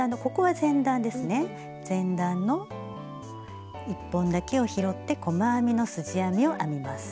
前段の１本だけを拾って細編みのすじ編みを編みます。